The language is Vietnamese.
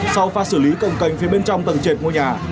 sau pha xử lý cồng cành phía bên trong tầng trệt ngôi nhà